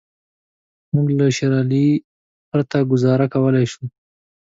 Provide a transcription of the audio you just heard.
موږ له شېر علي پرته ګوزاره کولای شو.